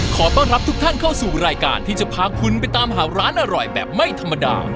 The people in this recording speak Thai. ขอต้อนรับทุกท่านเข้าสู่รายการที่จะพาคุณไปตามหาร้านอร่อยแบบไม่ธรรมดา